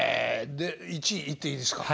で１位いっていいですか？